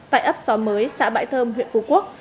tại ấp só mới xã bãi thơm tp phú quốc